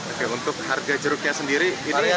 oke untuk harga jeruknya sendiri itu